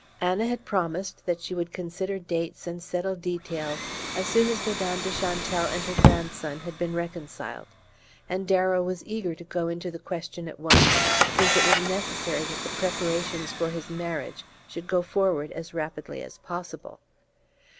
Anna had promised that she would consider dates and settle details as soon as Madame de Chantelle and her grandson had been reconciled, and Darrow was eager to go into the question at once, since it was necessary that the preparations for his marriage should go forward as rapidly as possible.